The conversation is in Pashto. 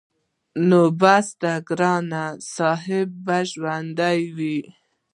نو بس ګران صاحب به ژوندی وي-